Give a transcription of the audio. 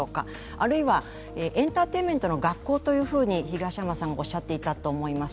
あるいはエンターテインメントの学校というふうに東山さん、おっしゃっていたと思います。